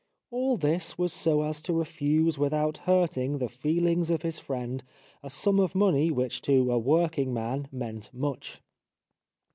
All this was so as to refuse without hurting the feehngs of his friend a sum of money which to a working man meant much.